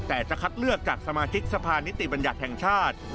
แต่จะคัดเลือกจากสมาชิกสภานิติบัญญัติแห่งชาติ